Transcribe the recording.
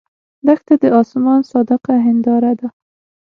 دښته د آسمان صادقه هنداره ده.